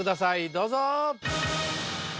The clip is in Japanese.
どうぞ！